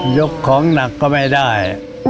ยกของหนักก็ไม่ได้